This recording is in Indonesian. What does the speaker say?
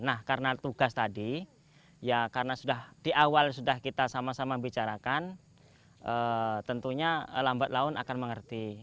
nah karena tugas tadi ya karena sudah di awal sudah kita sama sama bicarakan tentunya lambat laun akan mengerti